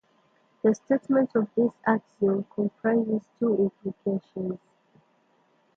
The statement of this axiom comprises two implications.